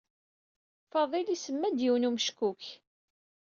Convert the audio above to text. Faḍil isemma-d yiwen n umeckuk.